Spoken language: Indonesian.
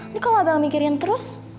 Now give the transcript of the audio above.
ini kalau abang mikirin terus